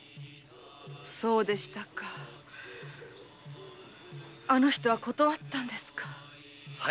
そうでしたかあの人は断ったんですか。